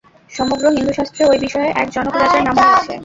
সমগ্র হিন্দুশাস্ত্রে ঐ-বিষয়ে এক জনক রাজার নামই আছে।